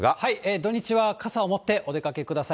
土日は傘を持ってお出かけください。